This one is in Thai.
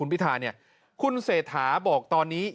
หลายฝ่ายกกว่าอาจจะเป็นตัวสอดแทรกมารับตำแหน่งนายก